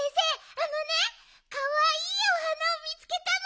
あのねかわいいお花をみつけたの。